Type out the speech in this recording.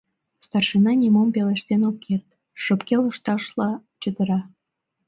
Старшина нимом пелештен ок керт, шопке лышташла чытыра.